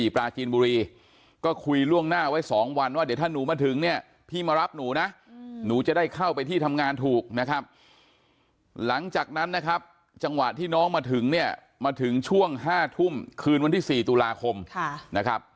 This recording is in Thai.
เพราะฉะนั้นนะครับจังหวะที่น้องมาถึงเนี่ยมาถึงช่วง๕ทุ่มคืนวันที่๔ตุลาคมนะครับ